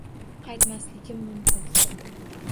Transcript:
Qaytmasligim mumkin